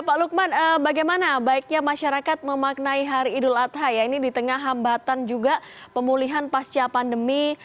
pak lukman bagaimana baiknya masyarakat memaknai hari idul adha ya ini di tengah hambatan juga pemulihan pasca pandemi